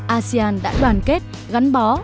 asean đã đoàn kết gắn bó